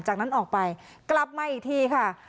จากนั้นออกไปกลับมาอีกทีค่ะ